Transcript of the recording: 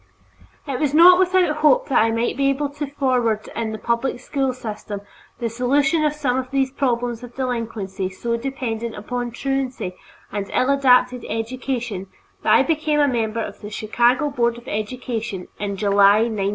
It was not without hope that I might be able to forward in the public school system the solution of some of these problems of delinquency so dependent upon truancy and ill adapted education that I became a member of the Chicago Board of Education in July, 1905.